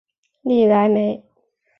利莱梅。